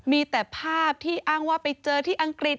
มีแต่ภาพที่อ้างว่าไปเจอที่อังกฤษ